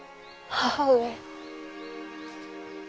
母上。